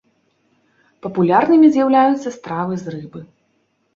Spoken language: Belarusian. Папулярнымі з'яўляюцца стравы з рыбы.